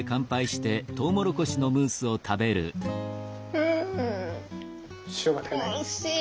うんおいしい！